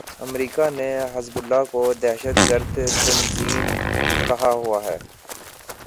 امریکا نے حزب اللہ کو دہشت گرد تنظیم کہا ہوا ہے۔